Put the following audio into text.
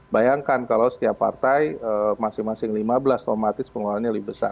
bayangkan kalau setiap partai masing masing lima belas otomatis pengelolaannya lebih besar